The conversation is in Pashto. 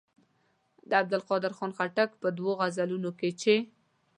د عبدالقادر خان خټک په دوو غزلونو کې چې.